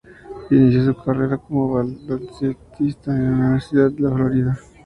Inició su carrera como baloncestista en la Universidad de Florida.